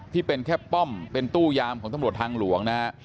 ที่เป็นแค่ป้อมเป็นตู้ยามของตำรวจทางหลวงนะฮะ